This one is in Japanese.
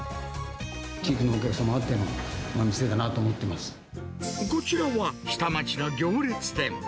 地域のお客様あっての店だなこちらは、下町の行列店。